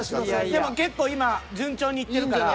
でも結構今順調にいってるから。